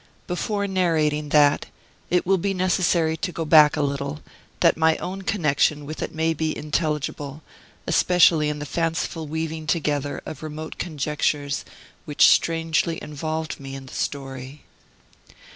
Before narrating that, it will be necessary to go back a little, that my own connection with it may be intelligible, especially in the fanciful weaving together of remote conjectures which strangely involved me in the story.